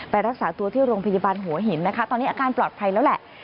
รักษาตัวที่โรงพยาบาลหัวหินนะคะตอนนี้อาการปลอดภัยแล้วแหละ